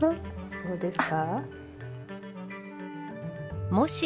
どうですか？